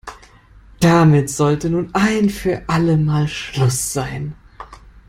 Damit sollte nun ein für alle Mal Schluss sein.